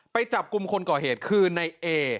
ไปจับกลุ่มคนก่อเหตุคือในเอ